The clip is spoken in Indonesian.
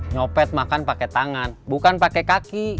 nyopet makan pakai tangan bukan pakai kaki